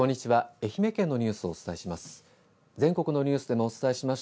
愛媛県のニュースをお伝えします。